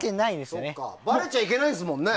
ばれちゃいけないですもんね。